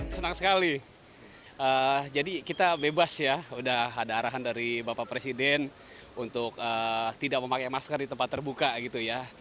senang sekali jadi kita bebas ya udah ada arahan dari bapak presiden untuk tidak memakai masker di tempat terbuka gitu ya